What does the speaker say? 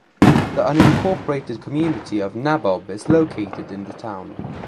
The unincorporated community of Nabob is located in the town.